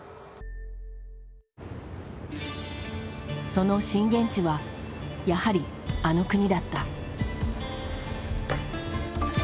その震源地はやはりあの国だった。